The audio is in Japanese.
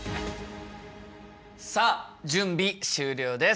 さあ準備終了です。